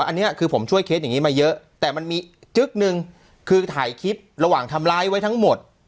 อันนี้คือผมช่วยเคสอย่างนี้มาเยอะแต่มันมีจึ๊กนึงคือถ่ายคลิประหว่างทำร้ายไว้ทั้งหมด